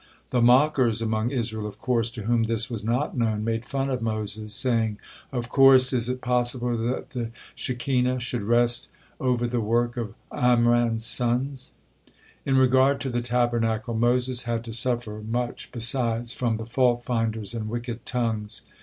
The mockers among Israel, of course, to whom this was not known, made fun of Moses, saying: "Of course, is it possible that the Shekinah should rest over the work of Amram's sons?" In regard to the Tabernacle, Moses had to suffer much besides from the fault finders and wicked tongues.